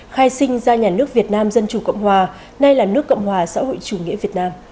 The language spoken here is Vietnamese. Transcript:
khai sinh ra nhà nước việt nam dân chủ cộng hòa nay là nước cộng hòa xã hội chủ nghĩa việt nam